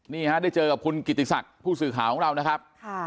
นี่ฮะได้เจอกับคุณกิติศักดิ์ผู้สื่อข่าวของเรานะครับ